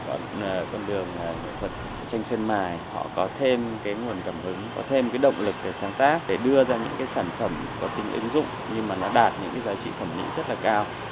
ở con đường nghệ thuật tranh sơn mài họ có thêm cái nguồn cảm hứng có thêm cái động lực để sáng tác để đưa ra những cái sản phẩm có tính ứng dụng nhưng mà nó đạt những cái giá trị thẩm mỹ rất là cao